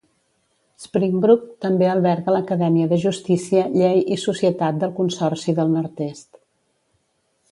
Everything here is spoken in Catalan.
Springbrook també alberga l'Acadèmia de Justícia, Llei i Societat del Consorci del nord-est.